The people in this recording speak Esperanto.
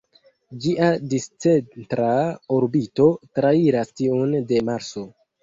Ĝia discentra orbito trairas tiun de Marso.